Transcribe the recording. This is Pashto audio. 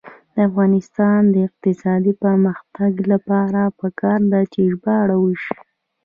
د افغانستان د اقتصادي پرمختګ لپاره پکار ده چې ژباړه وشي.